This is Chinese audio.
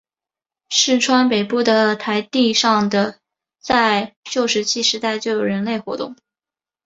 市川北部的台地上在旧石器时代就有人类活动。